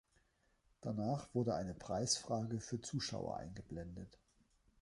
Danach wurde eine Preisfrage für Zuschauer eingeblendet.